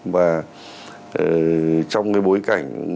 và trong cái bối cảnh